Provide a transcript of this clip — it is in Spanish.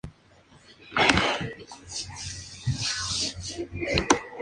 Este tema es la introducción a la banda ficticia que toca en el álbum.